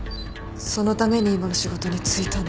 そのために今の仕事に就いたの。